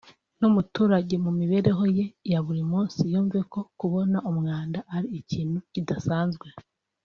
n’umuturage mu mibereho ye ya buri munsi yumve ko kubona umwanda ari ikintu kidasanzwe